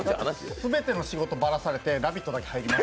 全ての仕事バラされて、「ラヴィット！」だけ入ります。